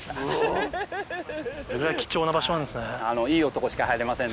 それぐらい貴重な場所なんですね。